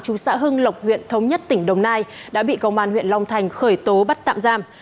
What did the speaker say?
chú xã hưng lộc huyện thống nhất tỉnh đồng nai đã bị công an huyện long thành khởi tố bắt tạm giam